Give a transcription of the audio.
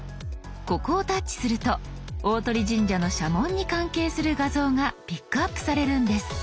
ここをタッチすると大鳥神社の社紋に関係する画像がピックアップされるんです。